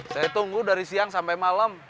saya tunggu dari siang sampai malam